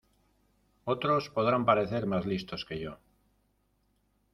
Otros podrán parecer más listos que yo